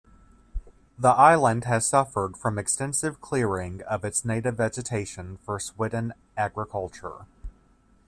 The island has suffered from extensive clearing of its native vegetation for swidden agriculture.